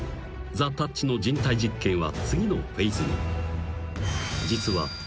［ザ・たっちの人体実験は次のフェーズに］